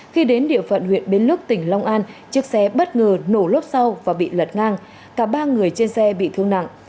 khi đến địa phận huyện bến lức tỉnh long an chiếc xe bất ngờ nổ lốp sau và bị lật ngang cả ba người trên xe bị thương nặng